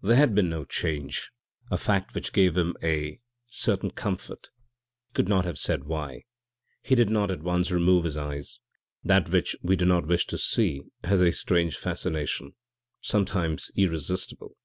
There had been no change, a fact which gave him a certain comfort, he could not have said why. He did not at once remove his eyes; that which we do not wish to see has a strange fascination, sometimes irresistible.